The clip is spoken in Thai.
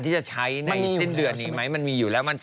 ที่จะใช้ในสิ้นเดือนนี้ไหมมันมีอยู่แล้ว